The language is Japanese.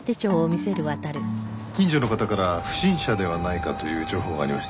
近所の方から不審者ではないかという情報がありまして。